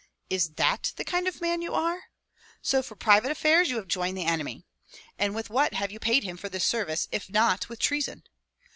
"Is that the kind of man you are? So for private affairs you have joined the enemy. And with what have you paid him for this service, if not with treason?